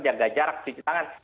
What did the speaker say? jaga jarak cuci tangan